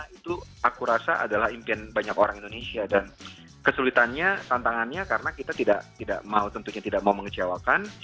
itu aku rasa adalah impian banyak orang indonesia dan kesulitannya tantangannya karena kita tidak mau tentunya tidak mau mengecewakan